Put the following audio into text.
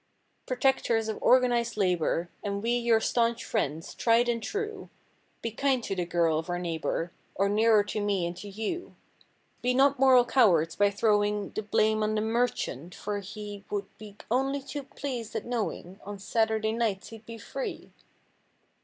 i8o Protectors of organized labor, And we your staunch friends, tried and true. Be kind to the girl of our neighbor. Or nearer to me and to you. Be not moral cowards by throwing The blame on the merchant, for he Would be only too pleased at knowing On Saturday nights he'd be free.